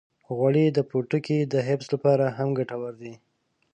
غوړې د پوټکي د حفظ لپاره هم ګټورې دي.